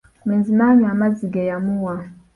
Omulenzi n'anywa amazzi ge yamuwa.